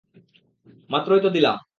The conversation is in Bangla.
মাত্রই তো দিলাম।